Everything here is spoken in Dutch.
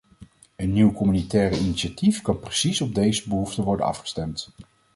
Een nieuw communautair initiatief kan precies op deze behoeften worden afgestemd.